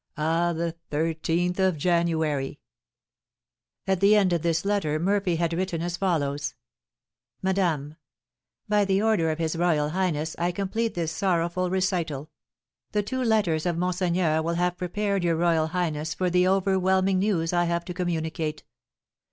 Ah, the thirteenth of January!" At the end of this letter Murphy had written as follows: Madame: By the order of his royal highness I complete this sorrowful recital. The two letters of monseigneur will have prepared your royal highness for the overwhelming news I have to communicate.